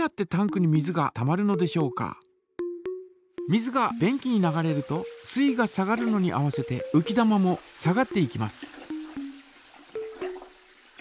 水が便器に流れると水位が下がるのに合わせてうき玉も下がっていきます。